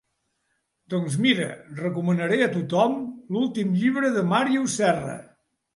Doncs mira, recomanaré a tothom l'últim llibre de Màrius Serra.